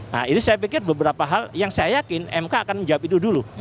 nah ini saya pikir beberapa hal yang saya yakin mk akan menjawab itu dulu